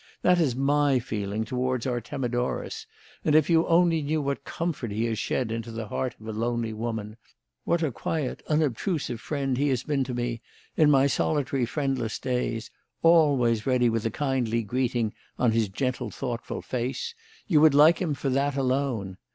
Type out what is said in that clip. That is my feeling towards Artemidorus, and if you only knew what comfort he has shed into the heart of a lonely woman; what a quiet, unobtrusive friend he has been to me in my solitary, friendless days, always ready with a kindly greeting on his gentle, thoughtful face, you would like him for that alone.